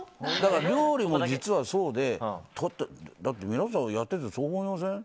料理も実はそうでだって皆さん、やっててそう思いません？